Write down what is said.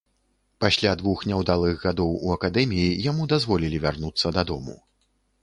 Пасля двух няўдалых гадоў у акадэміі яму дазволілі вярнуцца дадому.